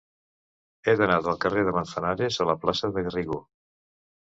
He d'anar del carrer de Manzanares a la plaça de Garrigó.